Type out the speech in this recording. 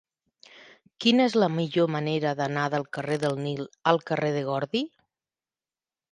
Quina és la millor manera d'anar del carrer del Nil al carrer de Gordi?